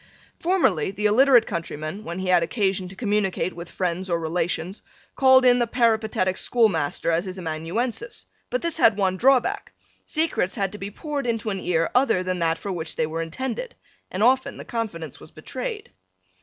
Formerly the illiterate countryman, when he had occasion to communicate with friends or relations, called in the peripatetic schoolmaster as his amanuensis, but this had one draw back, secrets had to be poured into an ear other than that for which they were intended, and often the confidence was betrayed.